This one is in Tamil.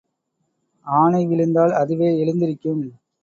ஆனை விழுந்தால் அதுவே எழுந்திருக்கும்.